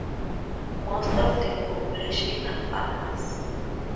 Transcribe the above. Most of the population are farmers.